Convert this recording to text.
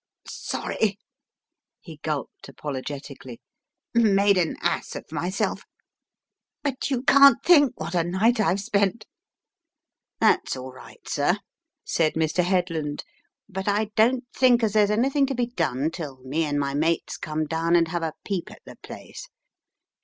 "Sorry," he gulped, apologetically, "made an ass of myself, but you can't think what a night I've spent " "That's all right, sir," said Mr. Headland with an air of the proper respect due from him. "But I don't think as there's anything to be done till me and my mates come down and have a peep at the place.